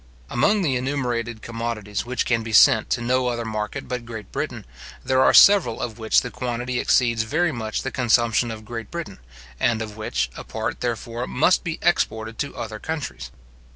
Among the enumerated commodities which can be sent to no other market but Great Britain, there are several of which the quantity exceeds very much the consumption of Great Britain, and of which, a part, therefore, must be exported to other countries.